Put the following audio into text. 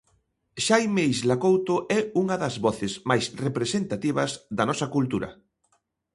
Xaime Isla Couto é unha das voces máis representativas da nosa cultura.